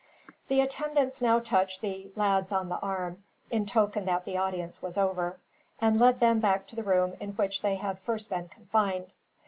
The attendants now touched the lads on the arm, in token that the audience was over, and led them back to the room in which they had first been confined.